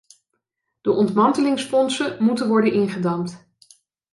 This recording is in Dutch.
De ontmantelingsfondsen moeten worden ingedamd.